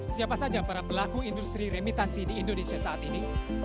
siapa saja para pelaku industri remitansi di indonesia saat ini